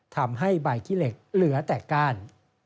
ทำให้ใบขี้เหล็กเหลือแต่ก้าน